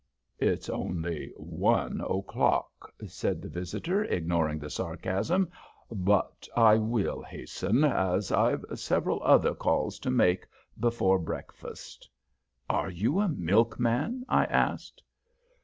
"It's only one o'clock," said the visitor, ignoring the sarcasm. "But I will hasten, as I've several other calls to make before breakfast." "Are you a milkman?" I asked.